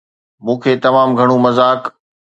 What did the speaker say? مون کي تمام گهڻو مذاق